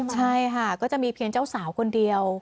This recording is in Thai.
ใช่ค่ะก็จะมีเพียงเจ้าสาวคนเดียว